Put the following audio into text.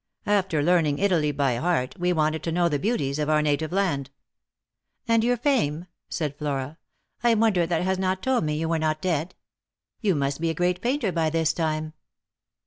After learning Italy by heart, we wanted to know the beauties of our native land." " And your fame ?" said Flora ;" I wonder that has not told me you were not dead. You must be a great painter by this time."